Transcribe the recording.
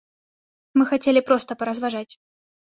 Мы хацелі проста паразважаць.